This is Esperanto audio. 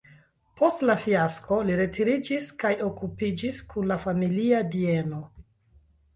Post la fiasko li retiriĝis kaj okupiĝis kun la familia bieno.